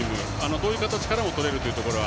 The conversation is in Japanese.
どういう形からもとれるというところは